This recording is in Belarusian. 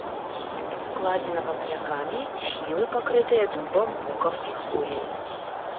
Складзена вапнякамі, схілы пакрытыя дубам, букам і хвояй.